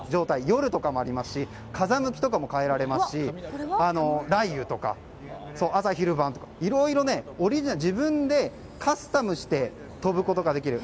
夜とかもありますし風向きとかも変えられますし雷雨とか、朝昼晩とかいろいろ自分でカスタムして飛ぶことができる。